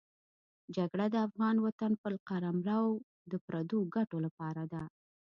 جګړه د افغان وطن پر قلمرو د پردو ګټو لپاره ده.